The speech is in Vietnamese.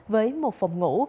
với một phòng ngủ